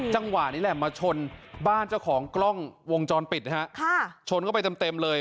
จังหวะนี้แหละมาชนบ้านเจ้าของกล้องวงจรปิดนะฮะชนเข้าไปเต็มเลย